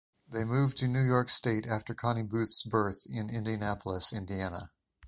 They moved to New York state after Connie Booth's birth in Indianapolis, Indiana.